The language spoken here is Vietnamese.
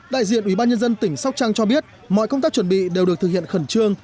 đại diện ubnd tỉnh sóc trăng cho biết mọi công tác chuẩn bị đều được thực hiện khẩn trương